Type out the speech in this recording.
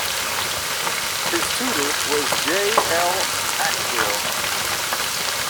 His tutor was J. L. Ackrill.